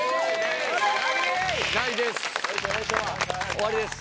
終わりです。